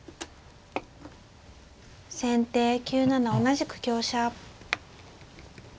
先手９七同じく香車。